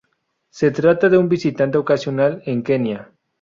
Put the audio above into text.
Se trata de un visitante ocasional en Kenia.